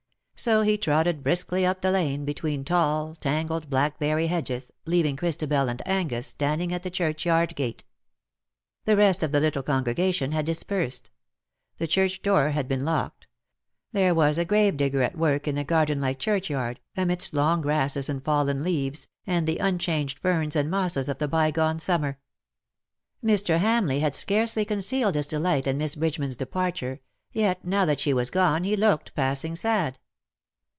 So he trotted briskly up the lane, between tall, tangled blackberry hedges, leaving Christabel and Angus standing at the churchyard gate. The rest of the little congre gation had dispersed; the church door had been locked ; there was a gravedigger at work in the garden like churchyard, amidst long grasses and fallen leaves, and the unchanged ferns and mosses of the bygone summer. Mr. Hamleigh had scarcely concealed his delight FROM WINTRY COLD." 113 at Miss Bridgeman^s departure, yet_, now that slie was gone, he looked passing sad.